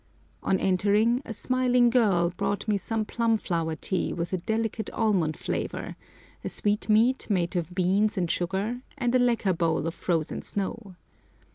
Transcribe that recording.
On entering, a smiling girl brought me some plum flower tea with a delicate almond flavour, a sweetmeat made of beans and sugar, and a lacquer bowl of frozen snow.